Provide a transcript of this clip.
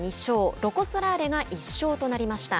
ロコ・ソラーレが１勝となりました。